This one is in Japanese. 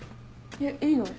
えっいいの？